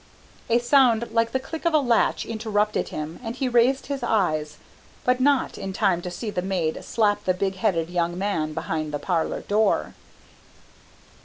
A sound like the click of a latch interrupted him and he raised his eyes, but not in time to see the maid slap the big headed young man behind the parlour door.